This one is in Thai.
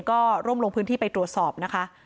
ก็ร่วมลงพื้นที่ไปตรวจสอบนะคะ